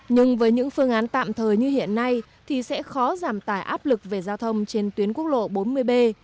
nhưng với những phương án tạm thời như hiện nay thì sẽ khó giảm tải áp lực về giao thông trên tuyến quốc lộ bốn mươi b